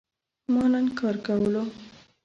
ما نن کار کولو